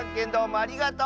ありがとう！